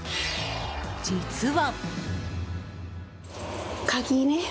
実は。